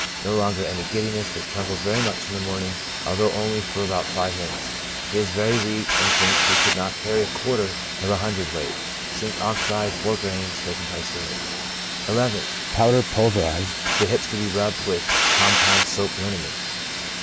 No longer any giddiness, but trembles very much in the morning, although only for about five minutes. He is very weak, and thinks he could not carry a quarter of a hundred weight. Zinc. Ox.,gr.iv, bis die. nth. — P. Pulv. ; the hips to be rubbed with compound soap liniment.